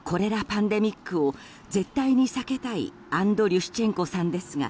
パンデミックを絶対に避けたいアンドリュシチェンコさんですが